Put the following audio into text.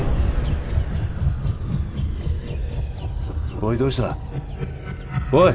おいどうした？おい！